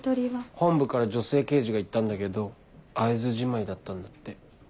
本部から女性刑事が行ったんだけど会えずじまいだったんだって。